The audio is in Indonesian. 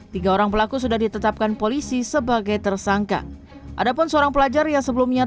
tiga orang pelaku sudah ditetapkan polisi sebagai tersangka ada pun seorang pelajar yang sebelumnya